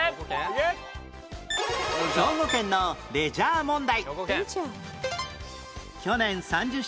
兵庫県のレジャー問題